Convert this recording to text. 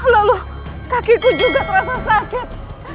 lalu kakiku juga terasa sakit